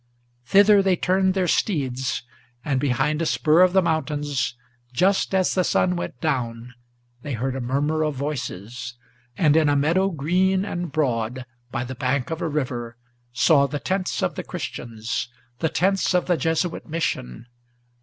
Thither they turned their steeds; and behind a spur of the mountains, Just as the sun went down, they heard a murmur of voices, And in a meadow green and broad, by the bank of a river, Saw the tents of the Christians, the tents of the Jesuit Mission.